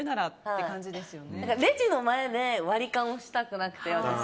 レジの前で割り勘をしたくなくて。